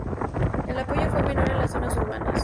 El apoyo fue menor en las zonas urbanas.